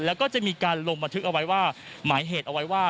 แล้วก็จะมีการลงประทึกเอาไว้ว่า